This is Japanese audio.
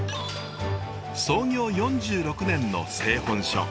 創業４６年の製本所。